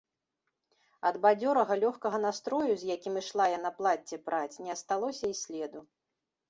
Ад бадзёрага, лёгкага настрою, з якім ішла яна плацце праць, не асталося і следу.